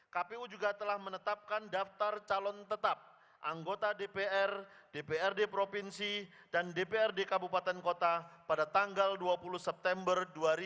kpu juga telah menetapkan daftar calon tetap anggota dpr dprd provinsi dan dprd kabupaten kota pada tanggal dua puluh september dua ribu dua puluh